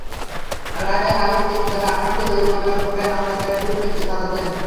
রায়ে আরও তিনটি ধারায় আসামিদের জরিমানা করে অনাদায়ে বিভিন্ন মেয়াদে সাজা দেন।